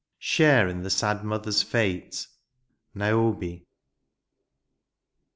" Share in the sad mother's fate." Niobe.